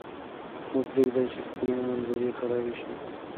مه پرېږدئ چې ښکلې منظرې خرابې شي.